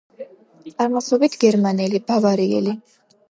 წარმოშობით გერმანელი, ბავარიელი.